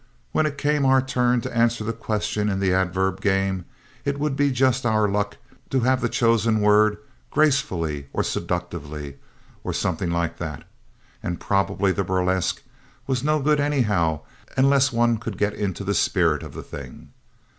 When it came our turn to answer the questions in the adverb game it would be just our luck to have the chosen word "gracefully" or "seductively" or something like that, and probably the burlesque was no good anyhow unless one could get into the spirit of the thing.